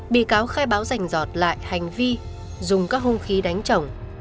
bị cáo khai báo rành giọt lại hành vi dùng các hung khí đánh chồng